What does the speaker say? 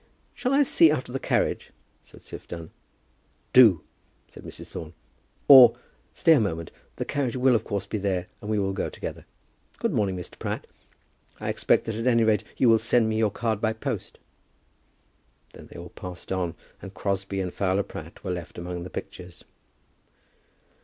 "Shall I see after the carriage?" said Siph Dunn. "Do," said Mrs. Thorne; "or, stay a moment; the carriage will of course be there, and we will go together. Good morning, Mr. Pratt. I expect that, at any rate, you will send me your card by post." Then they all passed on, and Crosbie and Fowler Pratt were left among the pictures.